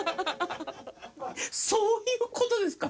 そういう事ですか。